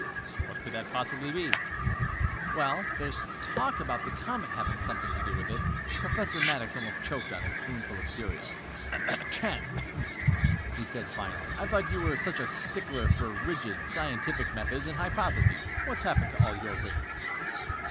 "What could that possibly be?" "There's talk about the comet having something to do with it." Professor Maddox almost choked on his spoonful of cereal. "Ken," he laughed finally, "I thought you were such a stickler for rigid, scientific methods and hypotheses! What's happened to all your rigor?"